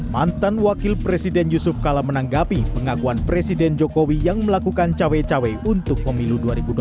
mantan wakil presiden yusuf kala menanggapi pengakuan presiden jokowi yang melakukan cawe cawe untuk pemilu dua ribu dua puluh